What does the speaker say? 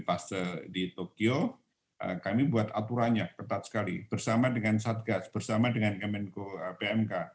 fase di tokyo kami buat aturannya ketat sekali bersama dengan satgas bersama dengan kemenko pmk